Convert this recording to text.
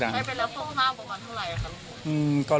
ใช่ไปแล้วต้นมากกว่าเท่าไหร่ครับ